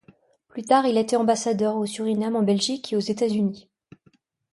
Plus tard, il a été ambassadeur au Suriname en Belgique et aux États-Unis.